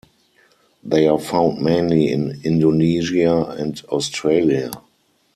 They are found mainly in Indonesia and Australia.